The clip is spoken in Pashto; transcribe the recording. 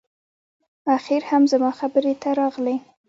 اخیر هم زما خبرې ته راغلې